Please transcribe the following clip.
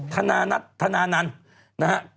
ทานานท๙๔